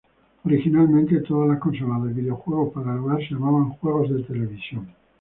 Originalmente, todas las consolas de videojuegos para el hogar se llamaban juegos de televisión.